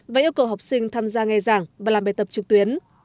và yêu cầu học sinh tham gia nghe giảng và làm bài tập trực tuyến